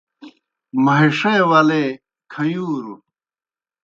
مہِݜے ولے کھیُوݩروْ